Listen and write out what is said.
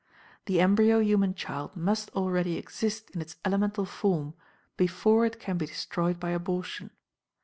The embryo human child must already exist in its elemental form, before it can be destroyed by abortion.